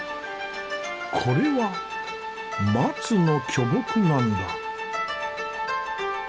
これは松の巨木なんだ。